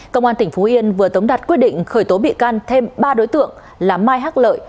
cơ quan tỉnh phú yên vừa tống đặt quyết định khởi tố bị can thêm ba đối tượng là mai hác lợi